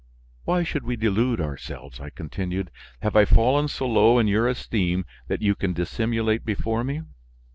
"Why should we delude ourselves?" I continued. "Have I fallen so low in your esteem that you can dissimulate before me?